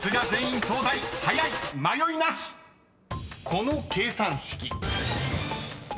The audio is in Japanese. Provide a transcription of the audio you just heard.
［この計算式］